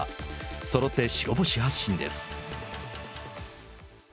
そろって白星発進です。